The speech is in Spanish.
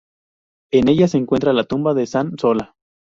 En ella se encuentra la tumba de San Sola.